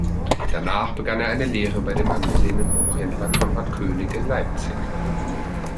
Danach begann er eine Lehre bei dem angesehenen Buchhändler Konrad König in Leipzig.